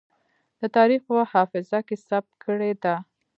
د تاريخ په حافظه کې ثبت کړې ده.